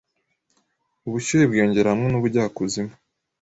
Ubushyuhe bwiyongera hamwe nubujya kuzimu